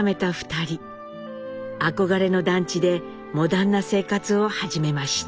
憧れの団地でモダンな生活を始めました。